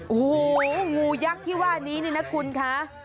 โอ้โหงูยักษ์ที่ว่านี้นี่นะคุณคะ